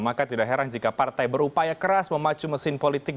maka tidak heran jika partai berupaya keras memacu mesin politik